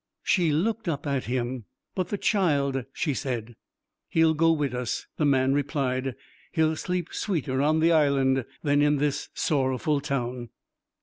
She looked up at him. 'But the child?' she said. 'He'll go wid us,' the man replied. 'He'll sleep sweeter on the Island than in this sorrowful town.'